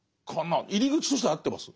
入り口としては合ってます？